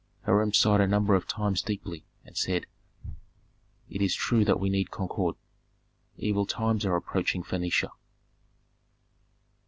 Hiram sighed a number of times deeply, and said, "It is true that we need concord. Evil times are approaching Phœnicia."